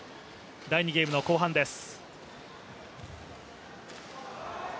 第２ゲームの後半です。